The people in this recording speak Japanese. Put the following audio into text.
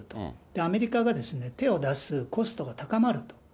アメリカが手を出すコストが高まると。